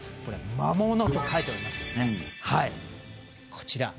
魔物と書いておりますが。